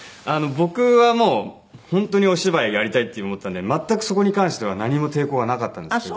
僕はもう本当にお芝居をやりたいって思ったんで全くそこに関しては何も抵抗はなかったんですけど。